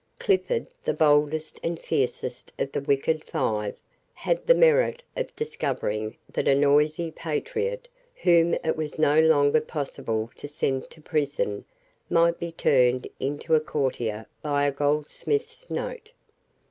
Clifford, the boldest and fiercest of the wicked Five, had the merit of discovering that a noisy patriot, whom it was no longer possible to send to prison, might be turned into a courtier by a goldsmith's note.